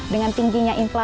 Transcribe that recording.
dengan tingginya infokos